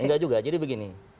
enggak juga jadi begini